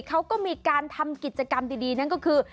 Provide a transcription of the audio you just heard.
เขาก็มีการทำกิจกรรมดีนั่นก็คือ